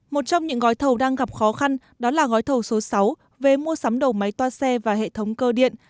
một trong những gói thầu đang gặp khó khăn đó là gói thầu số sáu về mua sắm đầu máy toa xe và hệ thống cơ điện